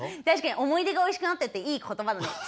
確かに思い出がおいしくなってるっていい言葉だね。